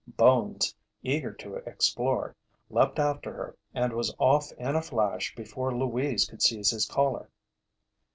Bones, eager to explore, leaped after her and was off in a flash before Louise could seize his collar.